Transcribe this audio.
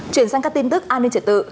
chuyển sang các tin tức an ninh trở tự